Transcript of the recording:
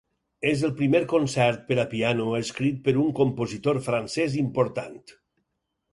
És el primer concert per a piano escrit per un compositor francès important.